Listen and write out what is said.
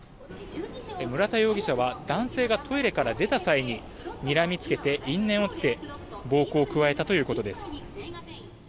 村田容疑者は、男性がトイレから出た際ににらみつけて因縁をつけ暴行を加えたということです。